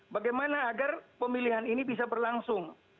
bagaimana agar pemilihan ini bisa berlangsung